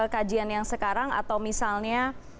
kajian yang sekarang atau misalnya